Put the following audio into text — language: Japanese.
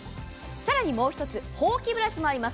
更にもう１つ、ほうきブラシもあります。